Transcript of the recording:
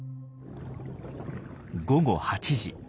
午後８時。